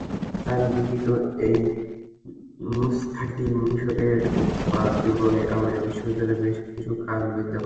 তার লিখিত এই নুসখাটি মিসরের উকবা ইবনে আমের বিশ্ববিদ্যালয়ে বেশ কিছু কাল বিদ্যমান ছিল।